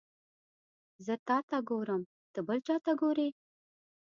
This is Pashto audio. زه تاته ګورم ته بل چاته ګوري